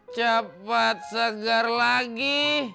cepat segar lagi